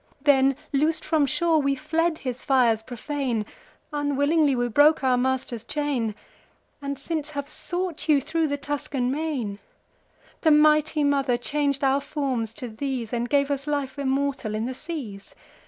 Then, loos'd from shore, we fled his fires profane (Unwillingly we broke our master's chain), And since have sought you thro' the Tuscan main. The mighty Mother chang'd our forms to these, And gave us life immortal in the seas.